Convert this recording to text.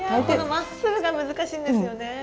けどまっすぐが難しいんですよね。